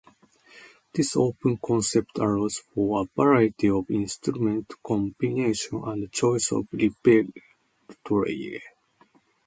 This open concept allows for a variety of instrumental combinations and choice of repertoire.